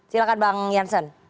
silahkan bang jansen